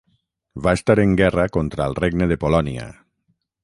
Va estar en guerra contra el Regne de Polònia.